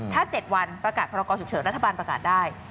ถ้า๗วันประกาศพรกรฉุกเฉินรัฐบาลประกาศได้